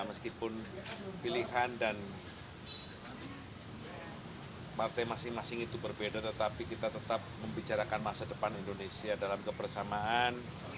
meskipun pilihan dan partai masing masing itu berbeda tetapi kita tetap membicarakan masa depan indonesia dalam kebersamaan